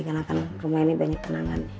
karena kan rumah ini banyak kenangan